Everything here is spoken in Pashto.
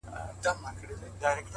o چي د ارواوو په نظر کي بند سي؛